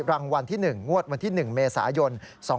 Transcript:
รางวัลที่๑งวดวันที่๑เมษายน๒๕๖